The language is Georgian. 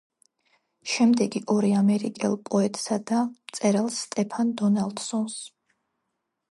შემდეგი ორი ამერიკელ პოეტსა და მწერალს სტეფენ დონალდსონს.